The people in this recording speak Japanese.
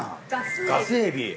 ガスエビ。